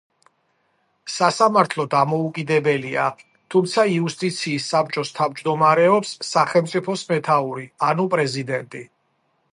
სასამართლო დამოუკიდებელია, თუმცა იუსტიციის საბჭოს თავმჯდომარეობს სახელმწიფოს მეთაური ანუ პრეზიდენტი.